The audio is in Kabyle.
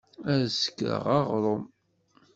Ad sekreɣ aɣṛum.